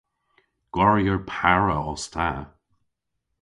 Gwarier para os ta.